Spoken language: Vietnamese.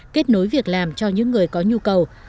kết nối việc làm cho những người có nhu cầu